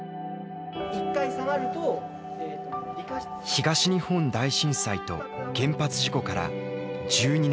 東日本大震災と原発事故から１２年半。